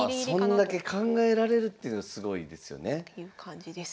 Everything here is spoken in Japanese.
そんだけ考えられるっていうのすごいですよね。という感じです。